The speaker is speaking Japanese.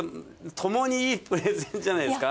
ともにいいプレゼンじゃないですか？